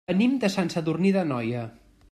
Venim de Sant Sadurní d'Anoia.